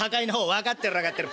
「分かってる分かってる。